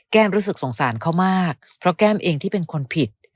รู้สึกสงสารเขามากเพราะแก้มเองที่เป็นคนผิด